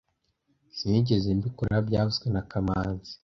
Sinigeze mbikora byavuzwe na kamanzi